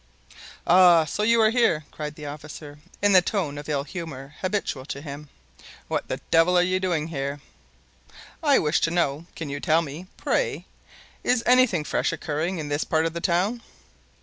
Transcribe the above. "Ah! so you are here!" cried the officer, in the tone of ill humor habitual to him; "what the devil are you doing here?" "I wish to know—can you tell me, pray—is anything fresh occurring in this part of the town?"